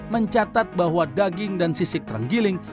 mencatat bahwa daging dan sisik terenggiling